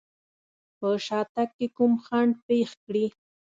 په شاتګ کې کوم خنډ پېښ کړي.